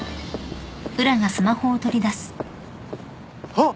あっ！